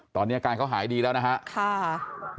ตอนนี้อาการเขาหายดีแล้วนะครับ